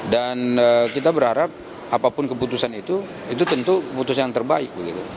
kita berharap apapun keputusan itu itu tentu keputusan yang terbaik